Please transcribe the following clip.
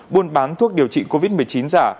buôn bán thuốc điều trị covid một mươi chín giả